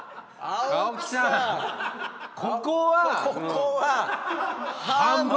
ここは。